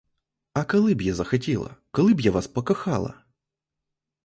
А коли б я захотіла, коли б я вас покохала?